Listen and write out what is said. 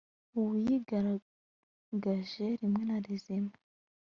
ubu yigaragaje rimwe na rizima